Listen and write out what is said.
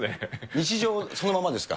日常、そのままですか？